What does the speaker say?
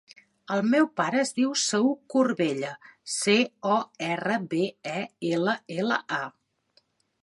El meu pare es diu Saüc Corbella: ce, o, erra, be, e, ela, ela, a.